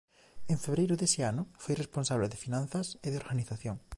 En febreiro dese ano foi responsable de finanzas e de organización.